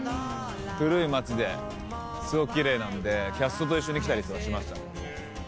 古い街ですごくキレイなんでキャストと一緒に来たりとかしましたね。